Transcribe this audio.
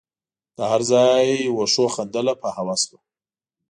د هر ځای وښو خندله په هوس وه